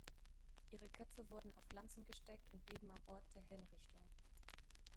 Ihre Köpfe wurden auf Lanzen gesteckt und blieben am Ort der Hinrichtung.